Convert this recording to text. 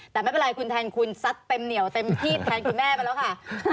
แต่ไม่เป็นไรคุณแทนคุณซัดเต็มเหนียวเต็มที่แทนคุณแม่ไปแล้วค่ะ